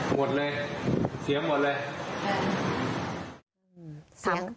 หมดเลยเสียงหมดเลย